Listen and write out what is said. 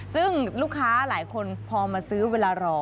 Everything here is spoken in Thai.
ซึ่งลูกค้าหลายคนพอมาซื้อเวลารอ